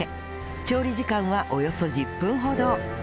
調理時間はおよそ１０分ほど